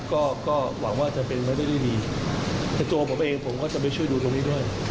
ก็ก็หวังว่าจะเป็นไปได้ด้วยดีแต่ตัวผมเองผมก็จะไปช่วยดูตรงนี้ด้วย